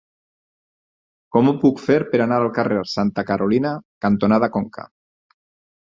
Com ho puc fer per anar al carrer Santa Carolina cantonada Conca?